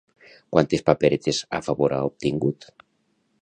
Quantes paperetes a favor ha obtingut?